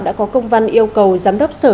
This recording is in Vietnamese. đã có công văn yêu cầu giám đốc sở